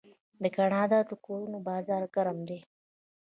د کاناډا د کورونو بازار ګرم دی.